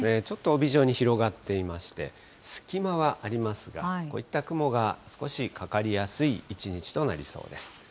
ちょっと帯状に広がっていまして、隙間はありますが、こういった雲が少しかかりやすい一日となりそうです。